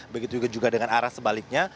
begitu juga dengan arah sebaliknya